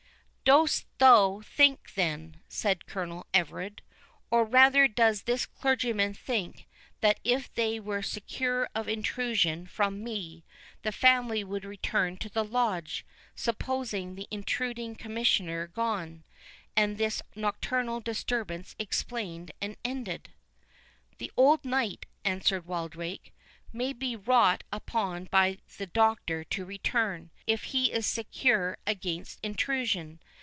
"Dost thou think, then," said Colonel Everard, "or rather does this clergyman think, that if they were secure of intrusion from me, the family would return to the Lodge, supposing the intruding Commissioners gone, and this nocturnal disturbance explained and ended?" "The old Knight," answered Wildrake, "may be wrought upon by the Doctor to return, if he is secure against intrusion.